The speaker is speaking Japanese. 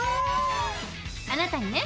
あなたにね